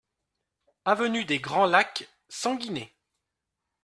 Avenue des Grands Lacs, Sanguinet